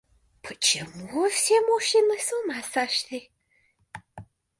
Почему все мужчины с ума сошли?